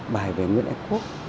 bài về nguyễn ây quốc